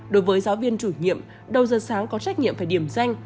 đối với giáo viên chủ nhiệm đầu giờ sáng có trách nhiệm phải điểm danh